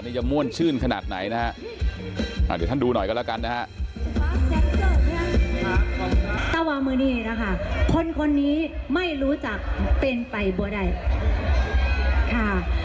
แต่ว่าเมื่อนี้นะคะคนนี้ไม่รู้จักเป็นไปบ่อได้ค่ะ